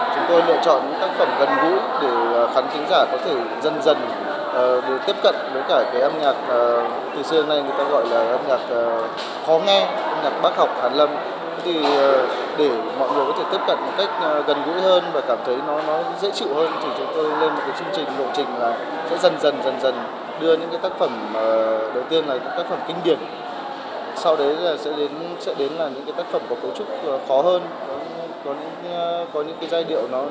đầu tiên là các tác phẩm kinh điển sau đấy sẽ đến những tác phẩm của cấu trúc khó hơn có những giai điệu hoặc là những tác phẩm mang tính chất thời đại